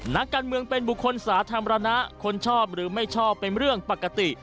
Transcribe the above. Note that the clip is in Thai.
นักการเมืองเป็นบุคคลสาธารณะคนชอบหรือไม่ชอบเป็นเรื่องปกติ